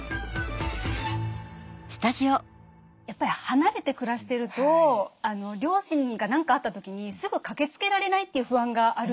やっぱり離れて暮らしてると両親が何かあった時にすぐ駆けつけられないという不安があるじゃないですか。